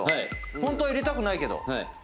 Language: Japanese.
ホントは入れたくないけど。